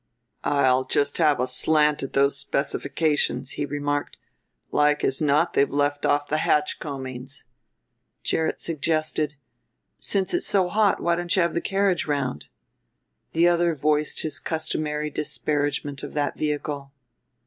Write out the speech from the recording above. "I'll just have a slant at those specifications," he remarked. "Like as not they've left off the hatch coamings." Gerrit suggested, "Since it's so hot why don't you have the carriage round?" The other voiced his customary disparagement of that vehicle.